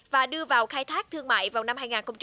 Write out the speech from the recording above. và đưa vào khai thác thương mại vào năm hai nghìn hai mươi